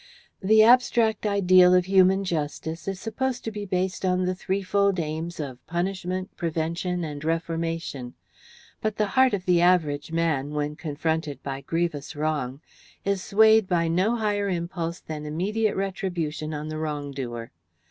The abstract ideal of human justice is supposed to be based on the threefold aims of punishment, prevention, and reformation, but the heart of the average man, when confronted by grevious wrong, is swayed by no higher impulse than immediate retribution on the wrongdoer.